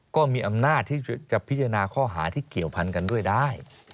ก็มีอำนาจที่จะพิจารณาข้อหาที่เกี่ยวพันกันด้วยได้